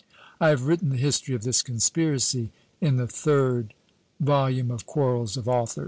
I have written the history of this conspiracy in the third, volume of "Quarrels of Authors."